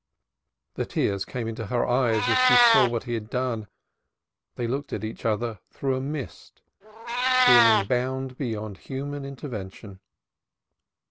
The tears came into her eyes as she saw what he had done. They looked at each other through a mist, feeling bound beyond human intervention.